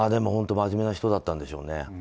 真面目な人だったんでしょうね。